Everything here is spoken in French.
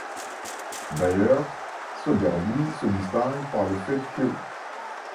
D'ailleurs, ce derby se distingue par le fait qu'.